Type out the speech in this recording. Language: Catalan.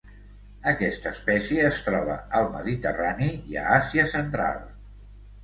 Aquesta espècie es troba al Mediterrani i a Àsia Central.